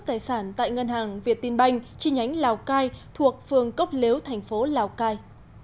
tài sản tại ngân hàng việt tin banh chi nhánh lào cai thuộc phường cốc lếu thành phố lào cai